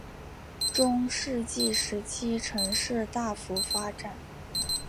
中世纪时期城市大幅发展。